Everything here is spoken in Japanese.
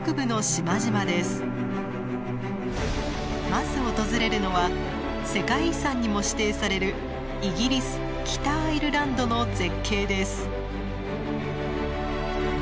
まず訪れるのは世界遺産にも指定されるイギリス北アイルランドの絶景です。